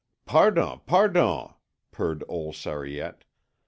"Pardon, pardon," purred old Sariette.